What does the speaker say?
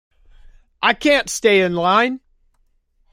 I can't stay in line.